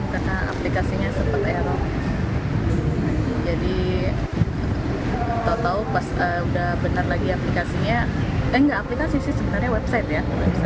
karena aplikasinya sempat error jadi tau tau pas udah benar lagi aplikasinya eh enggak aplikasi sih sebenarnya website ya